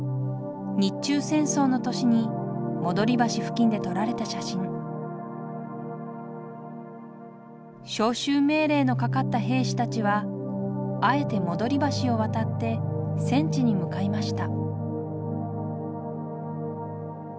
日中戦争の年に戻橋付近で撮られた写真召集命令のかかった兵士たちはあえて戻橋を渡って戦地に向かいました